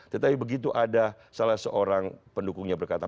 tetapi begitu ada salah seorang pendukungnya berkata